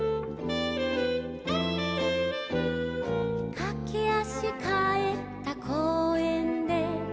「かけ足かえった公園で」